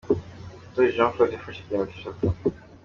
Ndoli Jean Claude yafashe penaliti eshatu.